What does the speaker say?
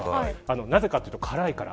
なぜかというと、からいから。